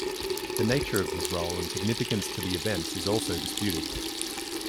The nature of his role and significance to the events is also disputed.